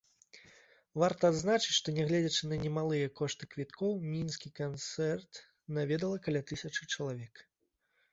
Варта адзначыць, што нягледзячы на немалыя кошты квіткоў, мінскі канцэрт наведала каля тысячы чалавек.